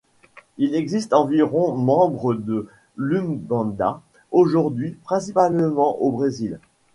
Il existe environ membres de l'Umbanda aujourd'hui, principalement au Brésil.